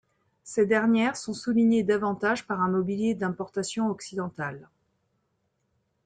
Ces dernières sont soulignées davantage par un mobilier d'importation occidentale.